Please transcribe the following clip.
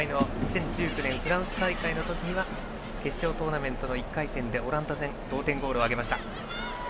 フランス大会の時には決勝トーナメントの１回戦でオランダ戦で同点ゴールを挙げました。